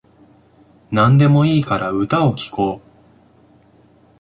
なんでもいいから歌を聴こう